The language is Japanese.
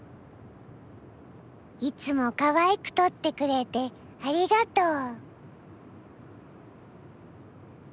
いつもかわいく撮ってくれてありがとう。